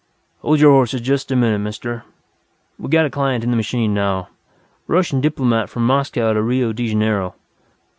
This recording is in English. "Hold your horses just a minute, Mister. We got a client in the machine now. Russian diplomat from Moscow to Rio de Janeiro....